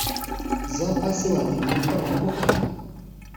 za pasiwadi mu ikorana-buhanga???